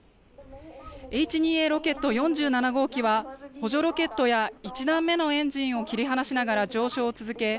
Ｈ２Ａロケット４７号機は補助ロケットや１段目のエンジンを切り離しながら上昇を続け